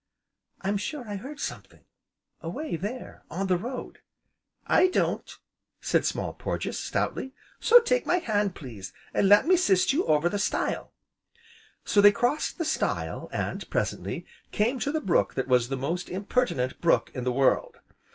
"I'm sure I heard something, away there on the road!" "I don't!" said Small Porges, stoutly, "so take my hand, please, an' let me 'sist you over the stile." So they crossed the stile, and, presently, came to the brook that was the most impertinent brook in the world.